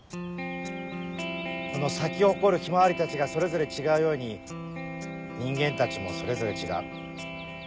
この咲き誇るヒマワリたちがそれぞれ違うように人間たちもそれぞれ違う。